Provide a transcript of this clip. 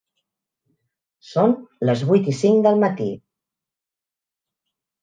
Són les vuit i cinc del matí.